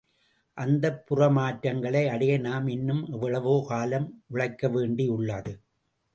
அந்தப் புற மாற்றங்களை அடைய நாம் இன்னும் எவ்வளவோ காலம் உழைக்கவேண்டியுள்ளது.